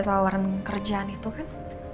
tawaran kerjaan itu kan